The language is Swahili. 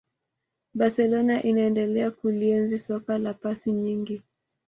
barcelona inaendelea kulienzi soka la pasi nyingi